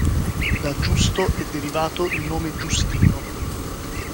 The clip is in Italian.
Da Giusto è derivato il nome Giustino.